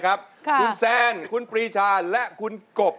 คุณแซนคุณปรีชาและคุณกบ